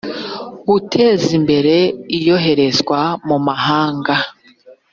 guteza imbere iyoherezwa mu mahanga